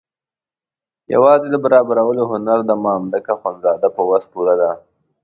یوازې د برابرولو هنر د مامدک اخندزاده په وس پوره ده.